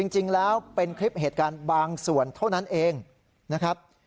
จริงแล้วเป็นคลิปเหตุการณ์บางส่วนเท่านั้นเองนะครับ